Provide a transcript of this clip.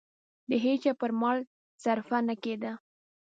د هېچا پر مال صرفه نه کېده.